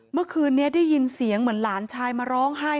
เมื่อคืนนี้ได้ยินเสียงเหมือนหลานชายมาร้องไห้